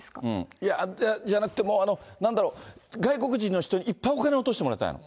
いや、じゃなくて、もうなんだろう、外国人の人に、いっぱいお金を落としてもらいたいの。